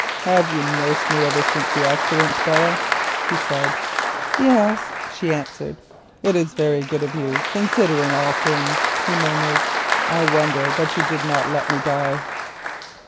"Have you nursed me ever since the accident, Belle?" he said. "Yes," she answered. "It is very good of you, considering all things," he murmured. "I wonder that you did not let me die."